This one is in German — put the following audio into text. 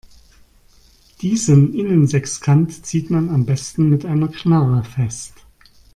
Diesen Innensechskant zieht man am besten mit einer Knarre fest.